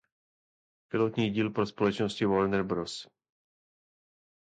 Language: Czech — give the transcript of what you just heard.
Pilotní díl pro společnosti Warner Bros.